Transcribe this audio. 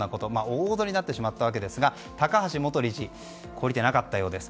大ごとになってしまったわけなんですが高橋元理事は懲りていなかったようです。